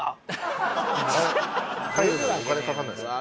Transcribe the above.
入るのにお金かからないですよ。